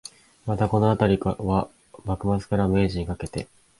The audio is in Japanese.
また、このあたりは、幕末から明治にかけて